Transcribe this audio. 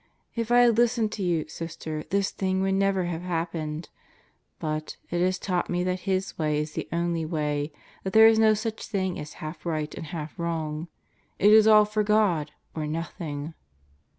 ... If I had listened to you, Sister, this thing would never have happened. But ... it has taught me that His way is the only way; that there is no such thing as half right and half wrong. It is all for God or nothing!